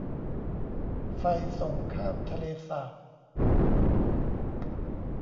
ไฟส่งข้ามทะเลสาบ